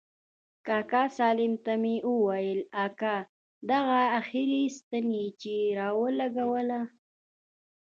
کاکا سالم ته مې وويل اكا دغه اخري ستن چې يې راولګوله.